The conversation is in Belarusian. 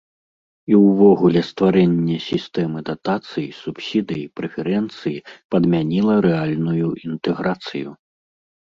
І ўвогуле стварэнне сістэмы датацый, субсідый, прэферэнцый падмяніла рэальную інтэграцыю.